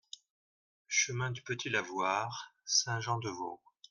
Chemin du Petit Lavoir, Saint-Jean-de-Vaux